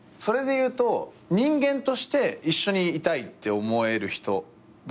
それで言うと人間として一緒にいたいって思える人かな。